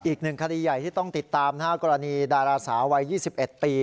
อีกหนึ่งคดีใหญ่ที่ต้องติดตามกรณีดาราสาววัย๒๑ปี